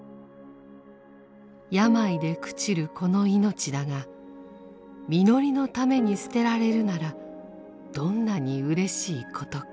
病で朽ちるこの命だがみのりのために捨てられるならどんなにうれしいことか。